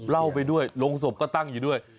เหล้าไปด้วยโรงศพก็ตั้งอยู่ด้วย